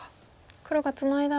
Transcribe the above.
黒がツナいだら。